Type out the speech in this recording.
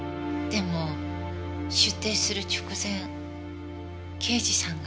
でも出廷する直前刑事さんが。